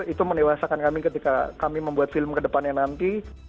itu mendewasakan kami ketika kami membuat film ke depannya nanti